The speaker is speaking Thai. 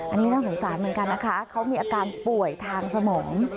อันนี้น่าสงสารเหมือนกันนะคะเขามีอาการป่วยทางสมอง